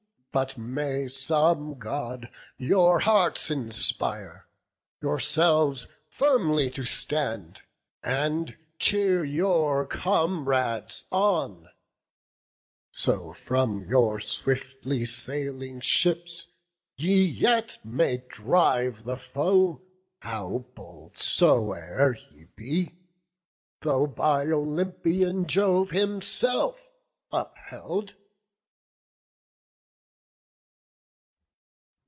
But may some God your hearts inspire, yourselves Firmly to stand, and cheer your comrades on; So from your swiftly sailing ships ye yet May drive the foe, how bold soe'er he be, Though by Olympian Jove himself upheld."